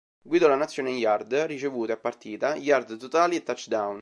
Guidò la nazione in yard ricevute a partita, yard totali e touchdown.